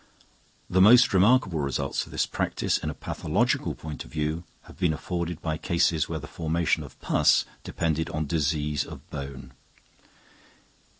The most remarkable results of this practice in a pathological point of view have been afforded by cases where the formation of pus depended on disease of bone.